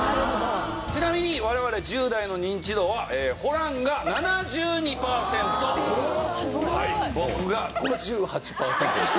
ちなみに我々１０代のニンチドはホランが７２パーセント僕が５８パーセントです。